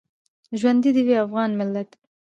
ژوندی دې وي افغان ملت؟